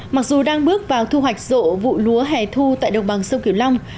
mặc dù đang bước vào thu hoạch rộ vụ lúa hẻ thu tại đồng bằng sông kiểu long